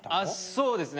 そうですね。